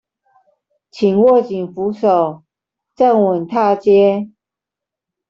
請緊握扶手站穩踏階